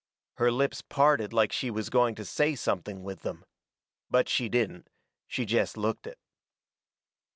Her lips parted like she was going to say something with them. But she didn't. She jest looked it.